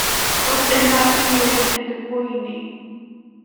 Oes yna rywun yn dy boeni?